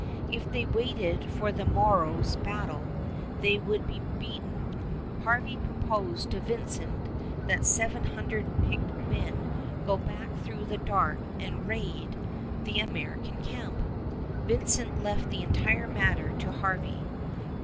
If they waited for the morrow's battle, they would be beaten. Harvey proposed to Vincent that seven hundred picked men go back through the dark and raid the American camp. Vincent left the entire matter to Harvey.